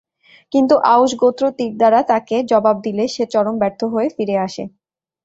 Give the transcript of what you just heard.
কিন্তু আউস গোত্র তীর দ্বারা তাকে জবাব দিলে সে চরম ব্যর্থ হয়ে ফিরে আসে।